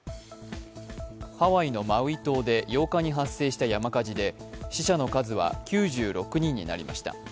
ハワイのマウイ島で８日に発生した山火事で死者の数は９６人になりました。